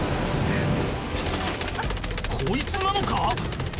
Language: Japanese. こいつなのか？